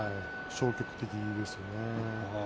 消極的ですよね。